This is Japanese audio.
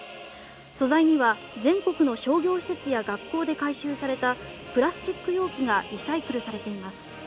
素材には全国の商業施設や学校で回収されたプラスチック容器がリサイクルされています。